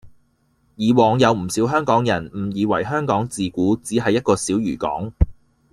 以往有唔少香港人誤以為香港自古只係一個小漁港